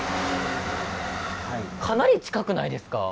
かなり近くないですか？